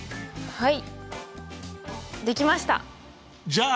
はい。